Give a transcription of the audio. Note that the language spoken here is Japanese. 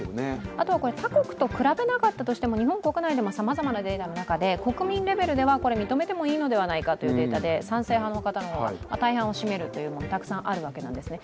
あとは他国と比べなかったとしても日本国内でもさまざまなデータの中で国民レべルでも認めてもいいのではないかというデータで賛成派の方が大半を占めるというものもたくさんあるんですね。